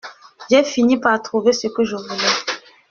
J’ai fini par trouver ce que je voulais.